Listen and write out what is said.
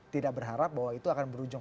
tidak berharap bahwa itu akan berujung